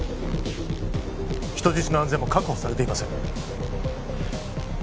人質の安全も確保されていません